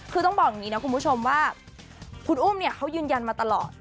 คือต้องบอกอย่างนี้นะคุณผู้ชมว่าคุณอุ้มเนี่ยเขายืนยันมาตลอด